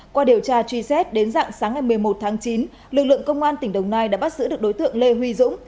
qua điều tra truy xét đến dạng sáng ngày một mươi một tháng chín lực lượng công an tỉnh đồng nai đã bắt giữ được đối tượng lê huy dũng